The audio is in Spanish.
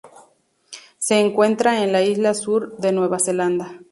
Se encuentra en la Isla Sur de Nueva Zelanda.